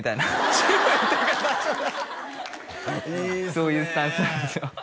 そういうスタンスなんですよ